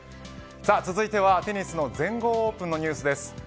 続いてはテニスの全豪オープンのニュースです。